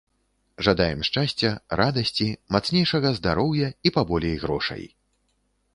Жадаем шчасця, радасці, мацнейшага здароўя і паболей грошай!